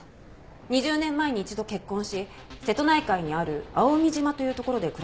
２０年前に一度結婚し瀬戸内海にある蒼海島という所で暮らしていたようです。